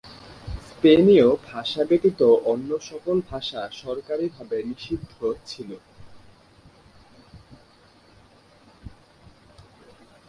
স্পেনীয় ভাষা ব্যতীত অন্য সকল ভাষা সরকারিভাবে নিষিদ্ধ ছিল।